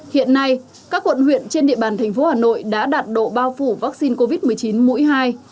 hiện nay các quận huyện trên địa bàn thành phố hà nội đã đạt độ bao phủ vaccine covid một mươi chín mũi hai